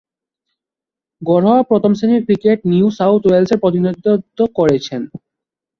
ঘরোয়া প্রথম-শ্রেণীর ক্রিকেটে নিউ সাউথ ওয়েলসের প্রতিনিধিত্ব করেছেন।